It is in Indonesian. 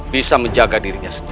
bisa menjaga dirinya sendiri